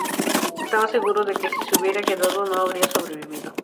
Estaba seguro de que si se hubiera quedado no habría sobrevivido.